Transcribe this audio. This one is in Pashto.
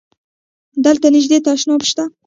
دلته نژدی تشناب شته؟